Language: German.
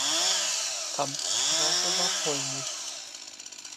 Amtssprache war Polnisch.